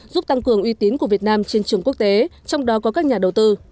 giúp tăng cường uy tín của việt nam trên trường quốc tế trong đó có các nhà đầu tư